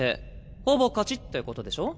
ほぼ勝ちってことでしょ？